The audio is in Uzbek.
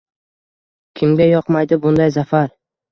Kimga yoqmaydi bunday zafar?